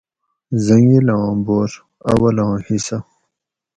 زنگیلاں بور (اولاں حصہ)